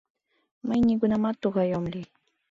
Мый нигунамат тугай ом лий!